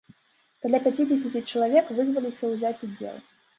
Каля пяцідзесяці чалавек вызваліся ўзяць удзел.